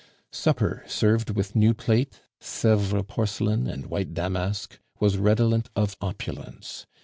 Supper, served with new plate, Sevres porcelain, and white damask, was redolent of opulence.